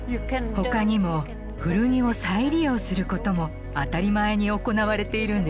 他にも古着を再利用することも当たり前に行われているんですよ。